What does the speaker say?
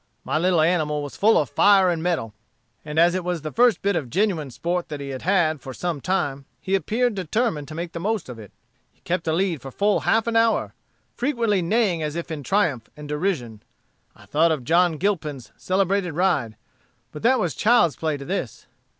"My little animal was full of fire and mettle, and as it was the first bit of genuine sport that he had had for some time, he appeared determined to make the most of it. He kept the lead for full half an hour, frequently neighing as if in triumph and derision. I thought of John Gilpin's celebrated ride, but that was child's play to this.